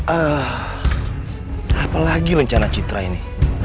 ah apalagi rencana citra ini